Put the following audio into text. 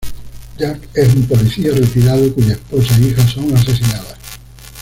Jack es un policía retirado cuya esposa e hija son asesinadas.